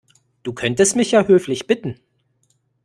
Du könntest mich ja höflich bitten.